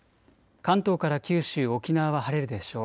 関東から九州、沖縄は晴れるでしょう。